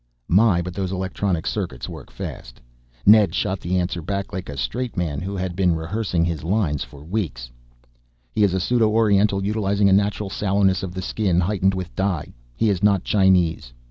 My, but those electronic circuits work fast. Ned shot the answer back like a straight man who had been rehearsing his lines for weeks. "He is a pseudo oriental, utilizing a natural sallowness of the skin heightened with dye. He is not Chinese.